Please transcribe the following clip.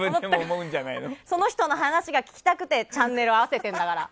その人の話が聞きたくてチャンネルを合わせてるから。